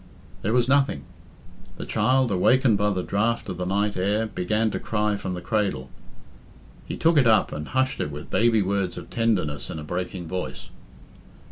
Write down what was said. There was nothing. The child, awakened by the draught of the night air, began to cry from the cradle. He took it up and hushed it with baby words of tenderness in a breaking voice.